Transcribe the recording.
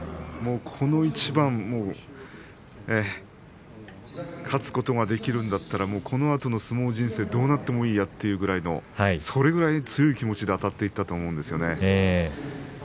この一番、勝つことができるんだったらこのあとの相撲人生どうなってもいいやというぐらいのそれぐらい強い気持ちであたっていたと思うんですね。